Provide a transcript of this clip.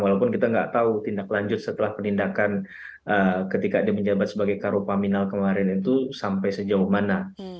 walaupun kita nggak tahu tindak lanjut setelah penindakan ketika dia menjabat sebagai karo paminal kemarin itu sampai sejauh mana